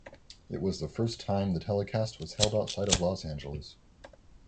It was the first time the telecast was held outside of Los Angeles.